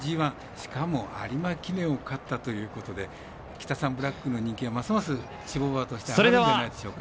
しかも有馬記念を勝ったということでキタサンブラックの人気はますます種牡馬として上がるのではないでしょうか。